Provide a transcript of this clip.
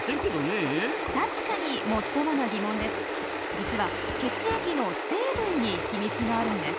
実は血液の成分に秘密があるんです。